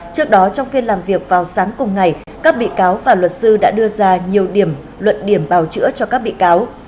trước đó trong phiên làm việc vào sáng cùng ngày các bị cáo và luật sư đã đưa ra nhiều điểm luận điểm bào chữa cho các bị cáo